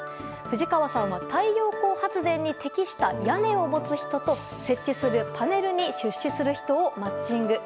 藤川さんは、太陽光発電に適した屋根を持つ人と設置するパネルに出資する人をマッチング。